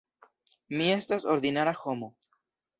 Mi estas ordinara homo.